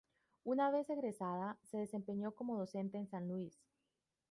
Una vez egresada, se desempeñó como docente en San Luis.